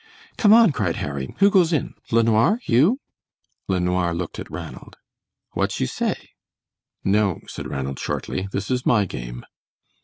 "Come on!" cried Harry, "who goes in? LeNoir, you?" LeNoir looked at Ranald. "What you say?" "No," said Ranald, shortly, "this is my game!"